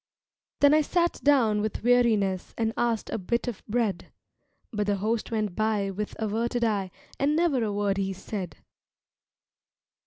Then I sat down with weariness And asked a bit of bread, But the Host went by with averted eye And never a word he said.